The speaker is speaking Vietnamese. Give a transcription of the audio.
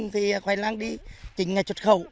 thì khoai lang đi chín ngày xuất khẩu